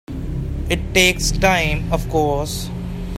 It takes time of course.